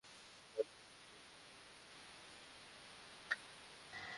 বাষ্পরুদ্ধস্বরে বলতে লাগল, অতীন, অতীন, পারলুম না থাকতে।